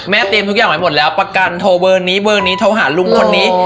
เตรียมทุกอย่างไว้หมดแล้วประกันโทรเบอร์นี้เบอร์นี้โทรหาลุงคนนี้